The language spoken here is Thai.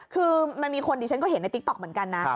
คือมันมีคนดิฉันก็เห็นในติ๊กต๊อกเหมือนกันนะ